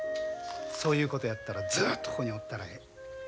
そういうことやったらずっとここにおったらええ。